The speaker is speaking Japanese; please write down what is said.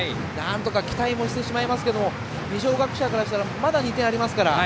期待もしてしまいますけど二松学舎からしたらまだ２点ありますから。